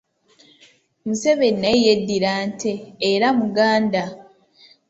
Museveni naye yeddira Nte era Muganda.